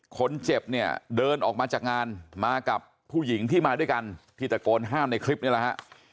คนเจ็บเนี่ยเดินออกมาจากงานมากับผู้หญิงที่มาด้วยกันที่ตะโกนห้ามในคลิปนี้แหละฮะ